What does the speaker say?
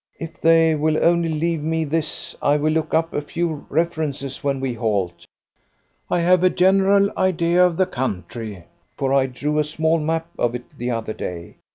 "If they will only leave me this, I will look up a few references when we halt. I have a general idea of the country, for I drew a small map of it the other day.